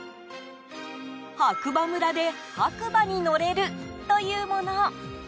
白馬村で白馬に乗れるというもの。